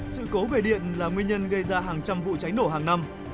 sự cố về điện là nguyên nhân gây ra hàng trăm vụ cháy nổ hàng năm